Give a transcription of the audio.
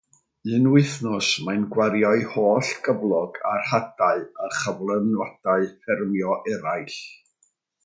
Un wythnos, mae'n gwario'i holl gyflog ar hadau a chyflenwadau ffermio eraill.